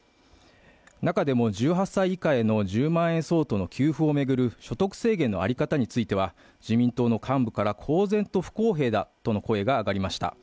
中でも１８歳以下への給付を巡る所得制限の在り方については、自民党幹部から公然と不公正だとの声が上がりました。